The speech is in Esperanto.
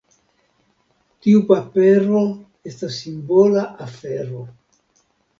Tiu papero estas simbola afero.